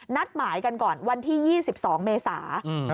นัดหมายกันก่อนวันที่๒๒เมษา